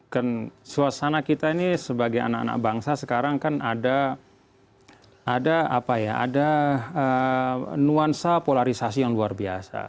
kan suasana kita ini sebagai anak anak bangsa sekarang kan ada ada apa ya ada eee nuansa polarisasi yang luar biasa